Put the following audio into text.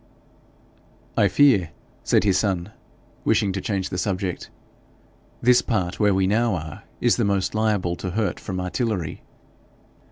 'I fear,' said his son, wishing to change the subject, 'this part where we now are is the most liable to hurt from artillery.'